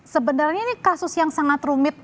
sebenarnya ini kasus yang sangat rumit